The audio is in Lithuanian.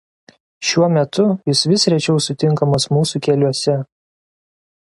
Šiuo metu jis vis rečiau sutinkamas mūsų keliuose.